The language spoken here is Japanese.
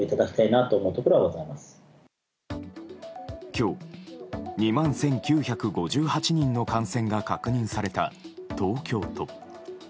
今日、２万１９５８人の感染が確認された東京都。